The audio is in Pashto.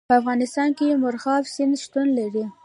په افغانستان کې مورغاب سیند شتون لري.